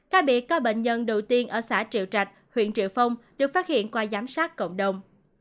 ca bị coi bệnh nhân đầu tiên ở xã triệu trạch huyện triệu phong được phát hiện qua giám sát cộng đồng